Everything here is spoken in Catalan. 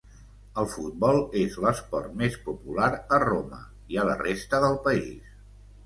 El futbol és l'esport més popular a Roma, i a la resta del país.